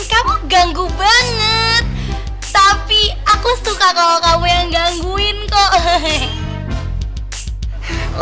kamu ganggu banget tapi aku suka kalau kamu yang gangguin kokhehe